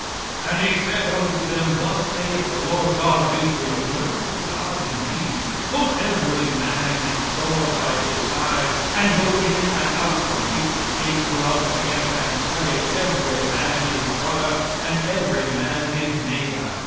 "And He said unto them, Thus saith the Lord God of Israel (a merciful God, indeed), put every man his sword by his side, and go in and out from gate to gate throughout the camp, and slay every man his brother, and every man his neighbor."